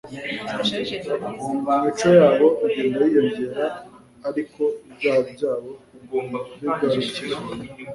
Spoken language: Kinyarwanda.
Imico yabo igenda yiyongera, ariko ibyaha byabo bigarukira;